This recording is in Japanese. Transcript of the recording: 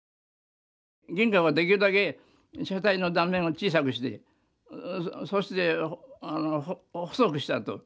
銀河はできるだけ車体の断面を小さくしてそして細くしたと。